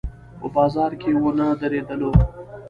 په بازار کې ونه درېدلو.